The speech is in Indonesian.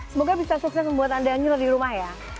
semoga bisa sukses membuat anda nyuruh di rumah ya